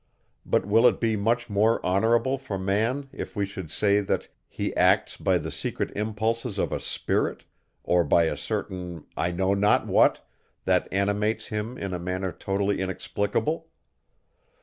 But, will it be much more honourable for man, if we should say, that he acts by the secret impulses of a spirit, or by a certain I know not what, that animates him in a manner totally inexplicable.